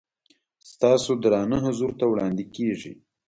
ستاسو درانه حضور ته وړاندې کېږي.